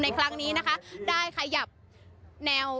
ในครั้งนี้ได้ขยับแนว